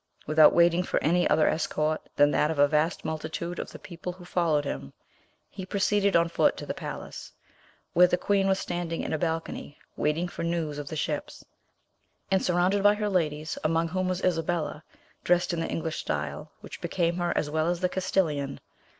Without waiting for any other escort than that of a vast multitude of the people who followed him, he proceeded on foot to the palace, where the queen was standing in a balcony, waiting for news of the ships, and surrounded by her ladies, among whom was Isabella, dressed in the English style, which became her as well as the Castilian.